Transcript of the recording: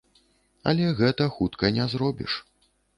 Але гэта хутка не зробіш.